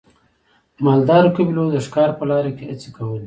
مالدارو قبیلو د ښکار په لاره کې هڅې کولې.